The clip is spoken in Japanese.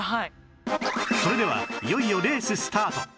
それではいよいよレーススタート